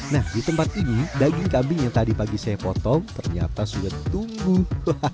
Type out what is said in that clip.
nah di tempat ini daging kambing yang tadi pagi saya potong ternyata sudah tumbuh